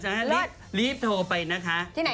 ใช่รีบโทรไปนะคะ